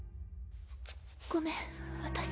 ごめん私。